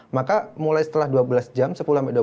maka mulai setelah dua belas jam